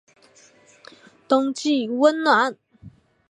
冬季温暖。